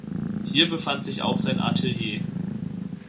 Hier befand sich auch sein Atelier.